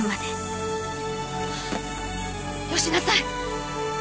よしなさい。